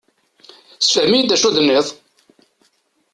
Sefhem-iyi-d d acu i d-tenniḍ.